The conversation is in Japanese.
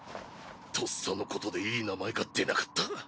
とっさのことでいい名前が出なかった。